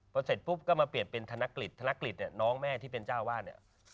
พอเสร็จปุ๊บก็มาเปลี่ยนเป็นธนกฤษธนกฤษเนี่ยน้องแม่ที่เป็นเจ้าวาดเนี่ย